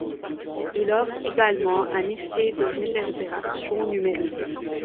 Il offre également un effet de réverbération numérique.